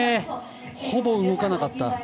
ほぼ動かなかった。